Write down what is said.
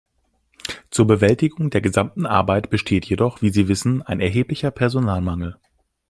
Zur Bewältigung der gesamten Arbeit besteht jedoch, wie Sie wissen, ein erheblicher Personalmangel.